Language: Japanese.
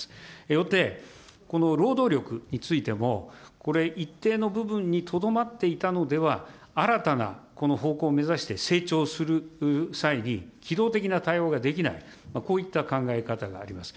よって、この労働力についても、これ、一定の部分にとどまっていたのでは、新たなこの方向を目指して、成長する際に、機動的な対応ができない、こういった考え方があります。